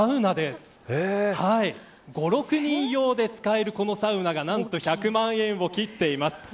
５、６人用で使えるこのサウナが何と１００万円を切っています。